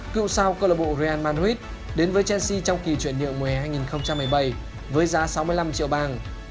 cựu sao club real madrid đến với chelsea trong kỳ chuyển nhượng mùa hè hai nghìn một mươi bảy với giá sáu mươi năm triệu bảng